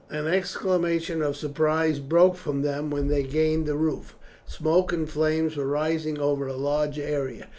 An exclamation of surprise broke from them when they gained the roof. Smoke and flames were rising over a large area.